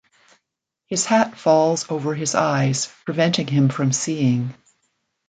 His hat falls over his eyes, preventing him from seeing.